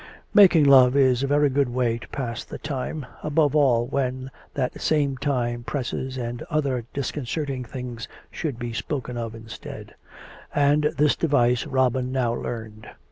Making love is a very good way to pass the time, above all when that same time presses and other disconcerting things should be spoken of instead; and this device Robin now learned.